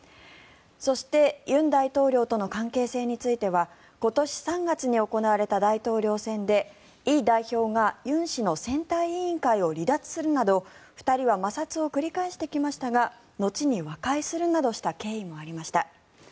そして尹大統領との関係性については今年３月に行われた大統領選でイ代表が尹氏の選対委員会を離脱するなど２人は摩擦を繰り返してきましたが後に和解するなどした経緯もありました。